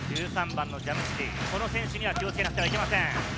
１３番のジャムシディ、この選手には気をつけなくてはいけません。